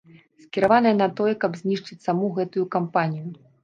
Скіраваная на тое, каб знішчыць саму гэтую кампанію.